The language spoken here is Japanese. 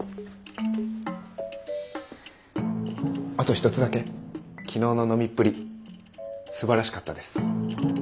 あと一つだけ昨日の飲みっぷりすばらしかったです。